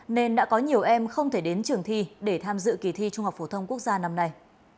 nên đã có nhiều em không thể đến trường thi để tham dự kỳ thi trung học phổ thông quốc gia năm nay